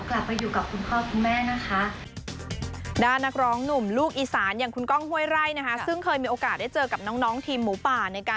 กลับไปอยู่กับคุณพ่อคุณแม่นะคะ